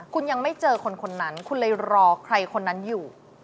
คุณยังไม่เจอคนคนนั้นคุณเลยรอใครคนนั้นอยู่